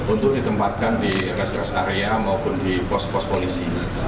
untuk ditempatkan di rest rest area maupun di pos pos polisi